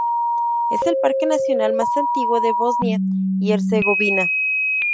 Es el parque nacional más antiguo de Bosnia y Herzegovina.